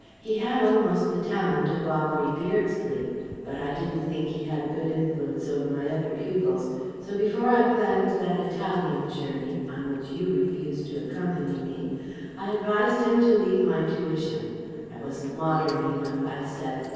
He had almost the talent of Aubrey Beardsley. But I didn't think he had a good influence over my other pupils, so before I planned that Italian journey on which you refused to accompany me I advised him to leave my tuition I wasn't modern enough, I said.